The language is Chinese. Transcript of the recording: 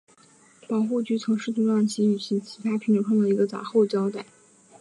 保护局曾试图让其与其它品种创造一个杂交后代。